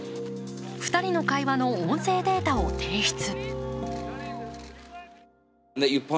２人の会話の音声データを提出。